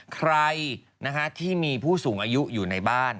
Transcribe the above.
ใครที่มีผู้สูงอายุอยู่ในบ้าน